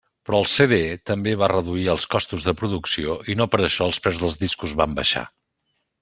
Però el CD també va reduir els costos de producció i no per això els preus dels discos van baixar.